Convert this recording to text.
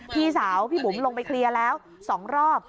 พี่สาวพี่บุ๋มลงไปเคลียร์แล้ว๒รอบ